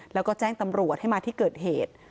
แล้วก็แจ้งตำรวจให้มาที่เกิดเหตุ